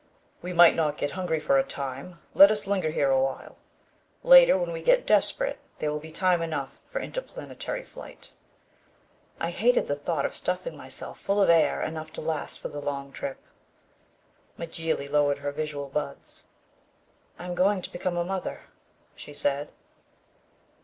"We might not get hungry for a time. Let us linger here awhile. Later when we get desperate, there will be time enough for interplanetary flight." I hated the thought of stuffing myself full of air enough to last for the long trip. Mjly lowered her visual buds. "I am going to become a mother," she said.